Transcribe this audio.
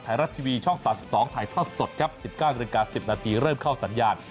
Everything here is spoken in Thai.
ไทยรัฐทีวีช่อง๓๒ถ่ายทอดสดครับ๑๙นาฬิกา๑๐นาทีเริ่มเข้าสัญญาณ